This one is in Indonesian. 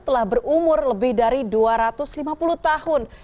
telah berumur lebih dari dua ratus lima puluh tahun